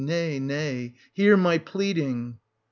Nay, nay, — hear my pleading